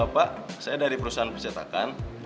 pak saya dari perusahaan percetakan